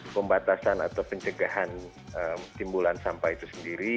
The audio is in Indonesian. pembatasan atau pencegahan timbulan sampah itu sendiri